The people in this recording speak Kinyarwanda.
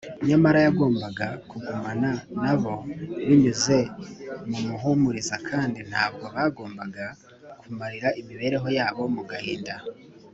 nyamara yagombaga kugumana na bo binyuze mu muhumuriza kandi ntabwo bagombaga kumarira imibereho yabo mu gahinda